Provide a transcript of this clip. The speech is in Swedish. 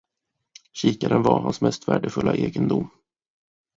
Kikaren var hans mest värdefulla egendom.